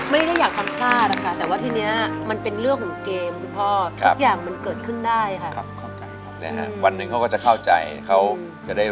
มีความโทษที่จะเอาเงินมาใช้มือผมไม่ได้